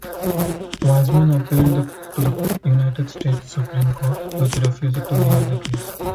Wiseman appealed to the United States Supreme Court, which refused to hear the case.